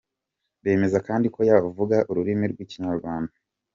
Bemeza kandi ko yavuga ururimi rw'ikinyarwanda.